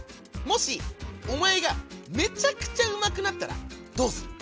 もしおまえがめちゃくちゃうまくなったらどうする？